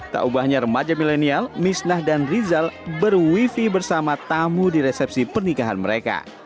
tak ubahnya remaja milenial misnah dan rizal berwifi bersama tamu di resepsi pernikahan mereka